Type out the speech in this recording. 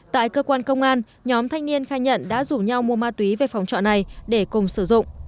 tại cơ quan công an nhóm thanh niên khai nhận đã rủ nhau mua ma túy về phòng trọ này để cùng sử dụng